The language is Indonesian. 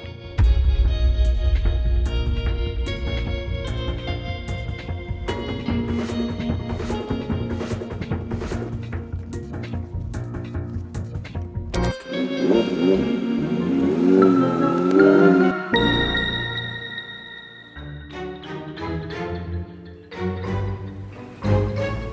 terima kasih siap